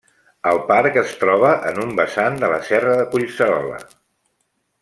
El parc es troba en un vessant de la serra de Collserola.